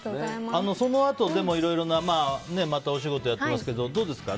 そのあといろいろなお仕事やってますけどどうですか？